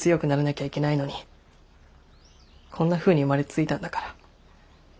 こんなふうに生まれついたんだから。